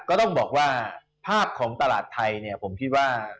ก็ต้องบอกว่าภาพของตลาดไทยเนี่ยผมคิดว่า